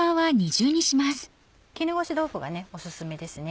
絹ごし豆腐がオススメですね。